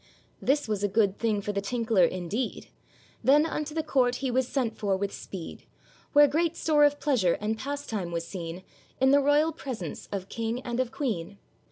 This was a good thing for the tinkler indeed; Then unto the court he was sent for with speed, Where great store of pleasure and pastime was seen, In the royal presence of King and of Queen.